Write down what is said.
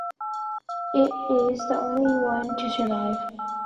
It is the only one to survive.